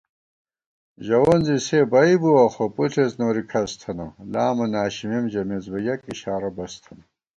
ژَوون زی سےبئ بُوَہ خو پݪېس نوری کھس تھنہ * لامہ ناشِمېم ژَمېس بہ یَک اِشارہ بس تھنہ